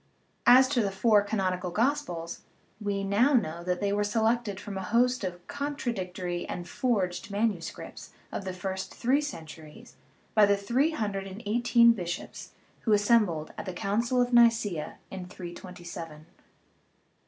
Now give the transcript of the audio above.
As to the four canonical gospels, we now know that they were selected from a host of contradictory and forged manuscripts of the first three centuries by the three hundred and eighteen bishops who assembled at the THE RIDDLE OF THE UNIVERSE Council of Nicaea in 327.